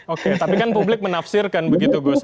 oke tapi kan publik menafsirkan begitu gus